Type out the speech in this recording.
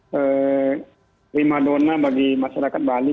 terima dona bagi masyarakat bali